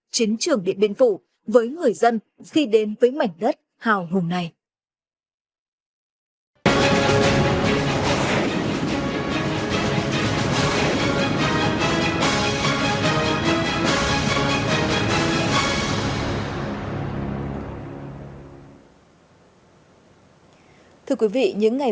chiến trường điện biên phủ với người dân khi đến với mảnh đất hào hùng này